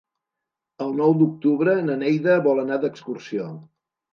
El nou d'octubre na Neida vol anar d'excursió.